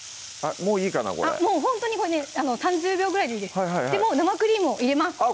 もういいかなこれもうほんとにこれね３０秒ぐらいでいいですもう生クリームを入れますあっ